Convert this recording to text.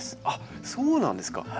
あっそうなんですか。